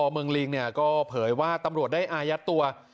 ไม่ยอมไม่ยอมไม่ยอม